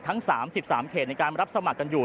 ทั้ง๓๓เขตในการรับสมัครกันอยู่